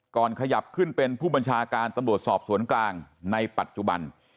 ขยับขึ้นเป็นผู้บัญชาการตำรวจสอบสวนกลางในปัจจุบัน